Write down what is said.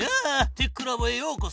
テックラボへようこそ。